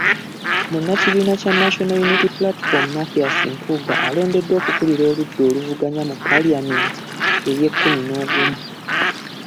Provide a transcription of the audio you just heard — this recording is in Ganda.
Munnakibiina kya National Unity Platform, Mathias Mpuuga alondeddwa okukulira oludda oluvuganya mu Paalamenti ey’ekkumi n'ogumu.